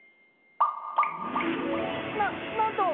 ななんと！